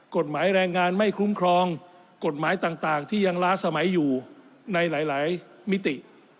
กฎหมายแรงงานไม่คุ้มครองกฎหมายต่างที่ยังล้าสมัยอยู่ในหลายมิติ